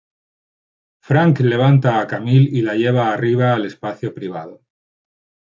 Franck levanta a Camille y la lleva arriba al espacio privado.